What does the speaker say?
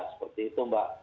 seperti itu mbak